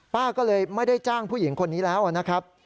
ป้าก็เลยไม่ได้จ้างผู้หญิงคนนี้แล้วนะครับ